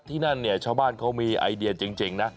ที่นั่นเนี่ยชาวบ้านเขามีไอเดียจริงนะ